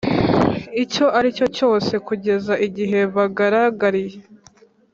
Icyo ari cyo cyose kugeza igihe bigaragariye